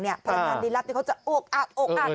พลังงานลิลับเขาจะโอกอาดโอกอาด